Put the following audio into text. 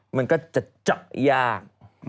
มันก็จะเจาะยาก